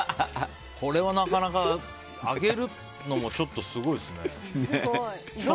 これはなかなかあげるのもちょっとすごいですね。